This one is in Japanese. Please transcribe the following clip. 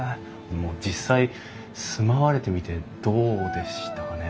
実際住まわれてみてどうでしたかね？